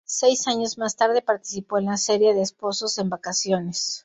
Seis años más tarde participó en la serie de "Esposos en vacaciones".